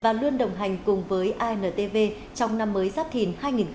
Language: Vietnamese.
và luôn đồng hành cùng với intv trong năm mới giáp thìn hai nghìn hai mươi bốn